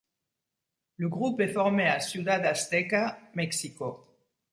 Le groupe est formé à Ciudad Azteca, Mexico.